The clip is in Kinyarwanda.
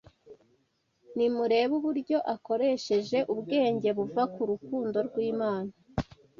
Nimurebe uburyo akoresheje ubwenge buva ku rukundo rw’Imana